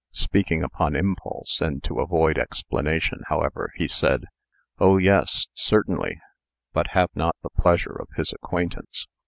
Speaking upon impulse, and to avoid explanation, however, he said: "Oh, yes certainly, but have not the pleasure of his acquaintance."